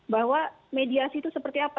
bahwa mediasi itu seperti apa